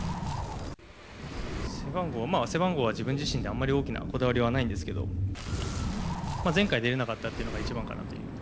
背番号は、自分自身であまり大きなこだわりはないんですけど前回出れなかったというのが一番かなという。